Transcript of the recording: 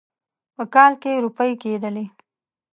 په کال کې روپۍ کېدلې.